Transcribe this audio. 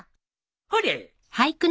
ほれ。